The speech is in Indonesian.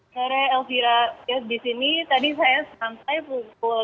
sore elvira disini tadi saya sampai pukul lima belas